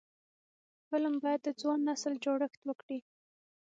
فلم باید د ځوان نسل جوړښت وکړي